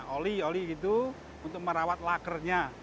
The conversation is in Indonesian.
oli oli gitu untuk merawat lakernya